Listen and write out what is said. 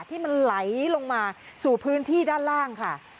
ที่มันไหลลงมาสู่พื้นที่ด้านล่างค่ะ